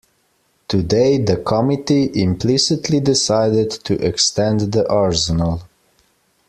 Today the committee implicitly decided to extend the arsenal.